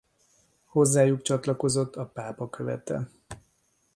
Hozzájuk csatlakozott a pápa követe.